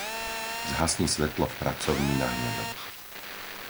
Zhasni svetlo v pracovni na hnedo.